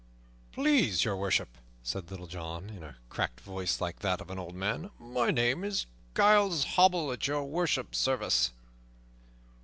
"Please Your Worship," said Little John, in a cracked voice like that of an old man, "my name is Giles Hobble, at Your Worship's service."